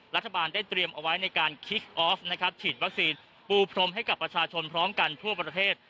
รัฐบาลได้เตรียมเอาไว้ในการคิกออฟนะครับฉีดวัคซีนปูพรมให้กับประชาชนพร้อมกันทั่วประเทศ